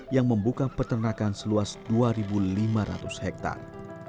yang membuka peternakan seluas dua lima ratus hektare